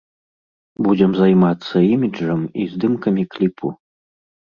Будзем займацца іміджам і здымкамі кліпу.